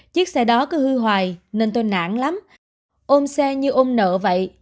chiếc xe đó cứ hư hoài nên tôi nản lắm ôm xe như ôm nợ vậy